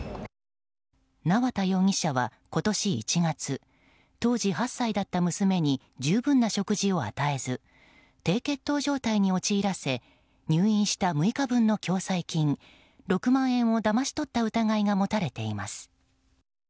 縄田容疑者は今年１月当時８歳だった娘に十分な食事を与えず低血糖状態に陥らせ入院した６日分の共済金６万円をだまし取った疑いが持たれています。